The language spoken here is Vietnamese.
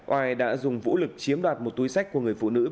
oai đã dùng vũ lực chiếm đoạt một túi sách của người phụ nữ